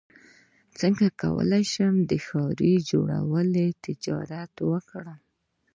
څنګه کولی شم د ښارۍ جوړولو تجارت وکړم